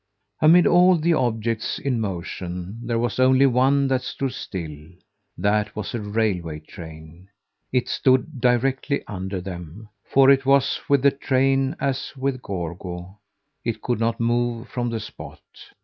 Amid all the objects in motion there was only one that stood still: that was a railway train. It stood directly under them, for it was with the train as with Gorgo it could not move from the spot.